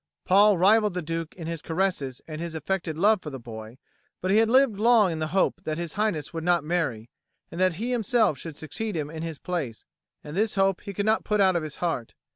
Paul rivalled the Duke in his caresses and his affected love for the boy, but he had lived long in the hope that His Highness would not marry, and that he himself should succeed him in his place, and this hope he could not put out of his heart.